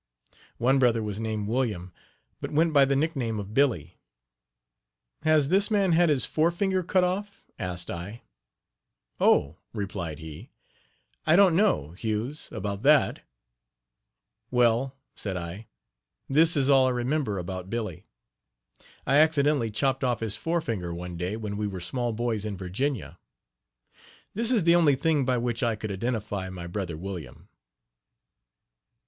One brother was named William, but went by the nickname of Billy. "Has this man had his forefinger cut off," asked I. "Oh!" replied he, "I don't know, Hughes, about that." "Well," said I, "this is all I remember about Billy. I accidentally chopped off his forefinger one day, when we were small boys in Virginia. This is the only thing by which I could identify my brother William.